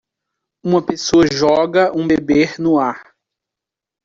Uma pessoa joga um bebê no ar.